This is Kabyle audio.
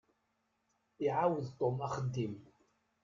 Iɛawed Tom axeddim.